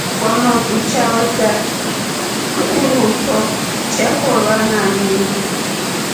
Kwamotu chao cha uruso chekorwa na nungu.